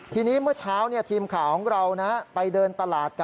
ทีนี้เมื่อเช้าทีมข่าวของเราไปเดินตลาดกัน